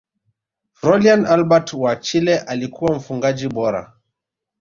frolian albert wa chile alikuwa mfungaji bora